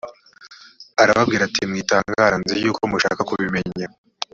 arababwira ati mwitangara nzi yuko mushaka kubimenya